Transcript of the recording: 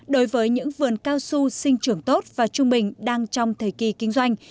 đối với những vườn cao su sinh trưởng tốt và trung bình đang trong thời kỳ kinh doanh